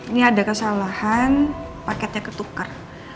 ini ada kesalahan paketnya ketukar